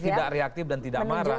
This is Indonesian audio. tidak reaktif dan tidak marah